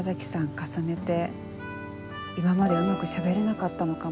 重ねて今までうまくしゃべれなかったのかも。